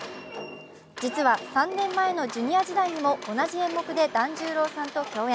実は３年前のＪｒ．時代にも同じ演目で團十郎さんと共演。